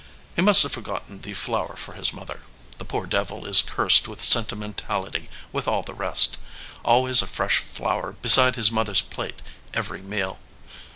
"He must have forgotten the flower for his mother. The poor devil is cursed with sentimental ity with all the rest ; always a fresh flower beside his mother s plate every meal.